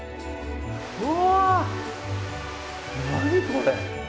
うわあ、何これ。